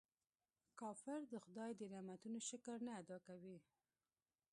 کافر د خداي د نعمتونو شکر نه ادا کوي.